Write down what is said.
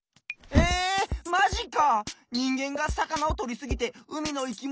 えマジか！